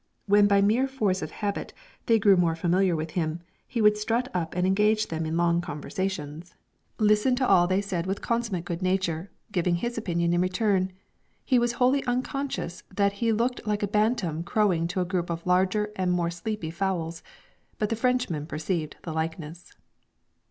When by mere force of habit they grew more familiar with him, he would strut up and engage them in long conversations, listen to all they said with consummate good nature, giving his opinion in return. He was wholly unconscious that he looked like a bantam crowing to a group of larger and more sleepy fowls, but the Frenchmen perceived the likeness.